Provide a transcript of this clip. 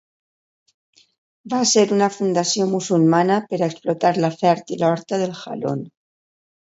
Va ser una fundació musulmana per a explotar la fèrtil horta del Jalón.